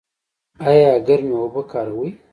ایا ګرمې اوبه کاروئ؟